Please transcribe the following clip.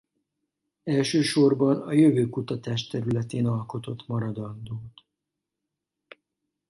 Elsősorban a jövőkutatás területén alkotott maradandót.